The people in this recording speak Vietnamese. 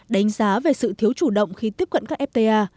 đánh giá về sự thiếu chủ động khi tiếp cận các fta